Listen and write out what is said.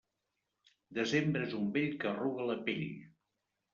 Desembre és un vell que arruga la pell.